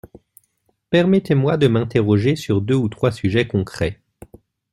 Permettez-moi de m’interroger sur deux ou trois sujets concrets.